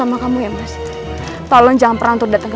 dan kamu sama sekali tidak pernah memperjuangkan aku